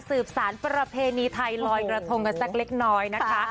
สืบสารประเพณีไทยลอยกระทงกันสักเล็กน้อยนะคะ